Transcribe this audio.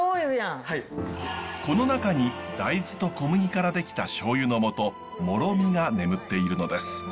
この中に大豆と小麦から出来たしょうゆの元もろみが眠っているのです。